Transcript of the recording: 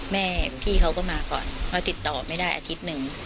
แม่ของพี่เขาก็มาก่อนเพราะติดต่อไม่ได้อาทิตย์หนึ่ง